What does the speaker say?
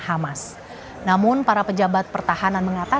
ayah dan ayah berhenti